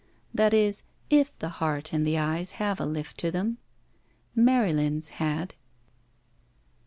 That is, if the heart and the eyes have a lift to them. Marylin's had.